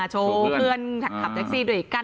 โชว์เพื่อนขับแท็กซี่ด้วยกัน